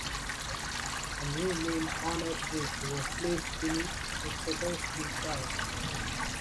A new main on-off switch was placed beneath the shutter speed dial.